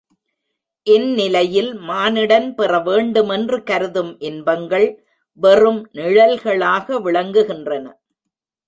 இந்நிலையில் மானிடன் பெறவேண்டுமென்று கருதும் இன்பங்கள் வெறும் நிழல்களாக விளங்குகின்றன.